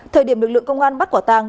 thời điểm lực lượng công an bắt quả tang